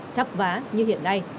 chắp vá như hiện nay